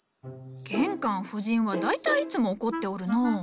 玄関夫人は大体いつも怒っておるのう。